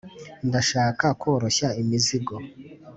ndashaka koroshya imizigo